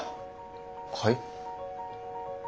はい？